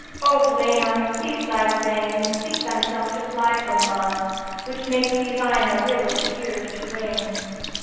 O blamer, cease thy blame, and seek thyself to fly * From love, which makes these eyne a rill of tears to rain.